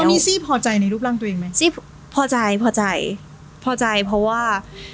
อันนี้ซี่พอใจในรูปร่างตัวเองไหมซี่พอใจพอใจพอใจเพราะว่า